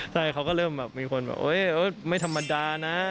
ใช่เขาก็เริ่มแบบมีคนแบบไม่ธรรมดานะ